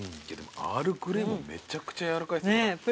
アールグレイもめちゃくちゃやわらかいですよ。